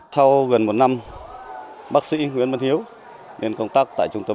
sau gần một năm bác sĩ nguyễn văn hiếu nên công tác tại trung tâm